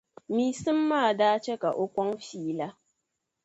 Meesim maa da chɛm'ka o kɔŋ feela.